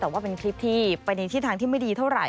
แต่ว่าเป็นคลิปที่ไปในทิศทางที่ไม่ดีเท่าไห